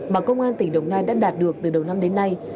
mà công an tỉnh đồng nai đã đạt được từ đầu năm đến nay